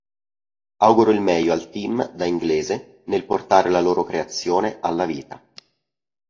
Auguro il meglio al team, da inglese, nel portare la loro creazione alla vita.